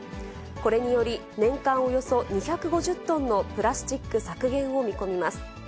これにより、年間およそ２５０トンのプラスチック削減を見込みます。